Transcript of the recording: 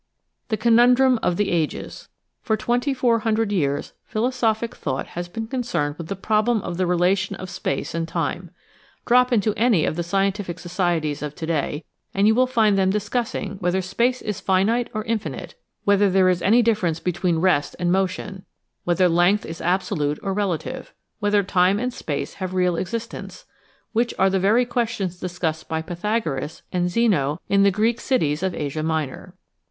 THE CONUNDRUM OF THE AGES For twenty four hundred years philosophic thought has been concerned with the problem of the relation of space and time. Drop into any of the scientific societies of today and you will find them discussing whether space is finite or infinite, whether there is any difference between rest and motion, whether length is absolute or relative, whether time and space have real existence, which are the very questions discussed by Pythagoras and Zeno in the Greek cities of Asia Minor.